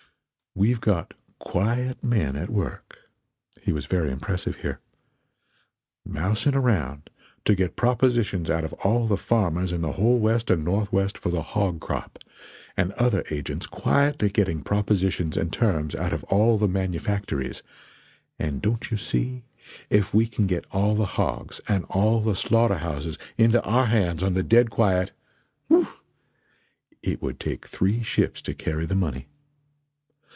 We've got quiet men at work," [he was very impressive here,] "mousing around, to get propositions out of all the farmers in the whole west and northwest for the hog crop, and other agents quietly getting propositions and terms out of all the manufactories and don't you see, if we can get all the hogs and all the slaughter houses into our hands on the dead quiet whew! it would take three ships to carry the money.